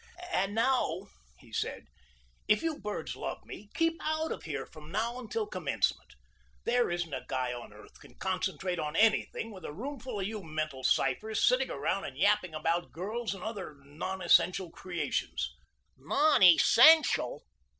"And now," he said, "if you birds love me, keep out of here from now until commencement. There isn't a guy on earth can concentrate on anything with a roomful of you mental ciphers sitting around and yapping about girls and other non essential creations." "Non essential!"